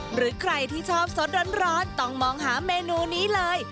หรือใครที่ชอบสดร้อนต้องมองหาเมนูนี้เลย